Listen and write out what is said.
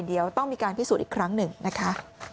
เดี๋ยวต้องมีการพิสูจน์อีกครั้งหนึ่งนะคะ